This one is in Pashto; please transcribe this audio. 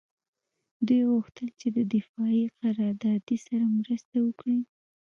دوی غوښتل چې د دفاعي قراردادي سره مرسته وکړي